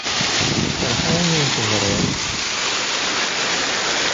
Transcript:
Feṛḥeɣ imi ay t-ẓriɣ.